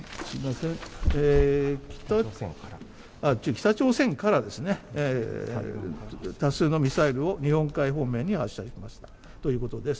北朝鮮から多数のミサイルを日本海方面に発射しましたということです。